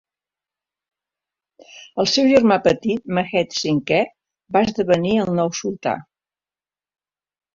El seu germà petit, Mehmed Cinquè, va esdevenir el nou sultà.